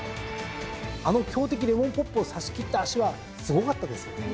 あの強敵レモンポップを差し切った脚はすごかったですよね。